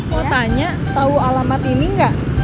mau tanya tau alamat ini gak